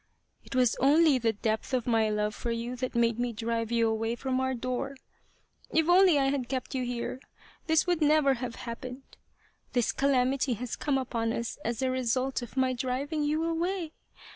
It was only the depth of my love for you that made me drive you away from our door. If only I had kept you here this would never have hap pened. This calamity has come upon us as a result of my driving you away.